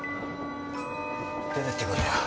出てってくれよ。